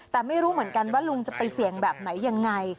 แต่ไม่รู้เหมือนกันว่าลุงจะไปเสี่ยงแบบไหนยังไง